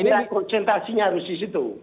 inilah konsentrasinya harus di situ